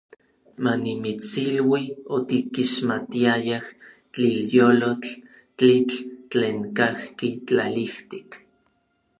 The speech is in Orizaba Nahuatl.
Manimitsilui, otikixmatiayaj tlilyolotl, tlitl tlen kajki tlalijtik.